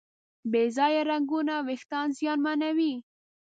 بې ځایه رنګونه وېښتيان زیانمنوي.